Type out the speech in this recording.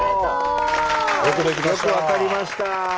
よく分かりました。